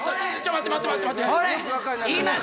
待って待って待って。